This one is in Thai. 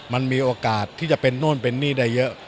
มันมีโอกาสที่จะเป็นโน่นเป็นนี่ได้เยอะ